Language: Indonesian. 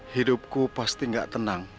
hidupku pasti gak tenang